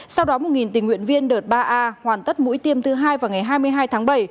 sau đó một tình nguyện viên đợt ba a hoàn tất mũi tiêm thứ hai vào ngày hai mươi hai tháng bảy